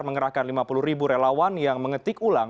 mengerahkan lima puluh ribu relawan yang mengetik ulang